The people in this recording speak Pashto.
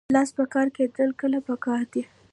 لاس په کار کیدل کله پکار دي؟